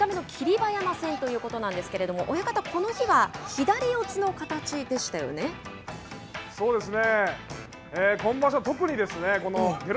馬山戦ということなんですけれども親方、この日は左四つの形でしたよね。